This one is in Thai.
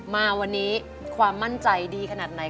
มาวันนี้ความมั่นใจดีขนาดไหน